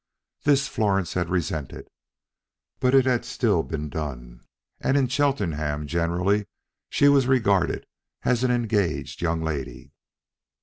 This Florence had resented; but it had still been done, and in Cheltenham generally she was regarded as an engaged young lady.